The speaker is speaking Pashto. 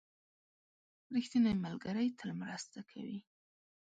• ریښتینی ملګری تل مرسته کوي.